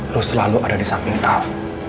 lo selalu ada di samping al